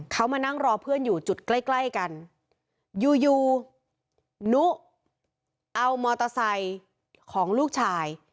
เขามานั่งรอเพื่อนอยู่จุดใกล้ใกล้กันอยู่อยู่นุเอามอเตอร์ไซค์ของลูกชาย